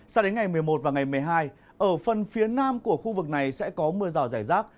sao đến ngày một mươi một và ngày một mươi hai ở phần phía nam của khu vực này sẽ có mưa rào rải rác